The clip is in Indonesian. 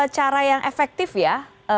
cara yang efektif ya